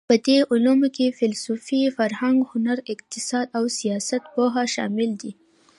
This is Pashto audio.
په دې علومو کې فېلسوفي، فرهنګ، هنر، اقتصاد او سیاستپوهه شامل دي.